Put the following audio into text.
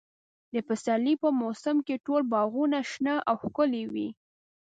د پسرلي په موسم کې ټول باغونه شنه او ښکلي وي.